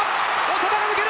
長田が抜ける！